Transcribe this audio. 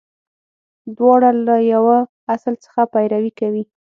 • دواړه له یوه اصل څخه پیروي کوي.